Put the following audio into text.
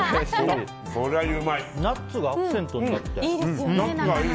ナッツがアクセントになって。